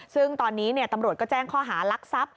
ซึ่งตอนนี้เนี่ยตำรวจก็แจ้งข้อหารักษับ